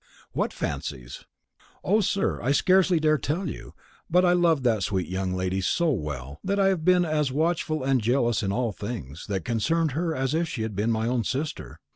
"What fancies?" "O, sir, I scarcely dare tell you; but I loved that sweet young lady so well, that I have been as watchful and jealous in all things that concerned her as if she had been my own sister.